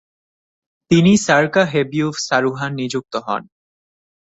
তিনি সরকাহেবিউফ সারুহান নিযুক্ত হন।